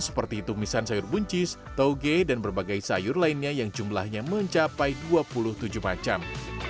seperti tumisan sayur buncis toge dan berbagai sayur lainnya yang jumlahnya mencapai dua puluh tujuh macam